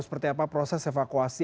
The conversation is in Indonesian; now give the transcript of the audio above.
seperti apa proses evakuasi